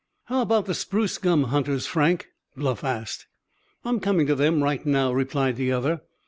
"How about the spruce gum hunters, Frank?" Bluff asked. "I'm coming to them right now," replied the other.